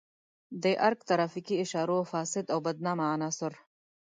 د ارګ ترافیکي اشارو فاسد او بدنامه عناصر.